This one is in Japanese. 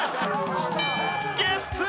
ゲッツー！